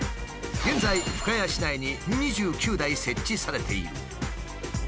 現在深谷市内に２９台設置されている。